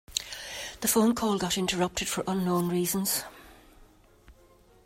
The phone call got interrupted for unknown reasons.